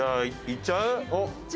行っちゃう？